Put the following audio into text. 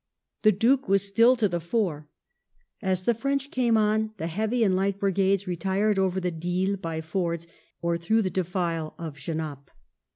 The Buke was still to the fore. As the French came on, the heavy and light brigades retired over the Dyle by fords or through the defile of Genappe.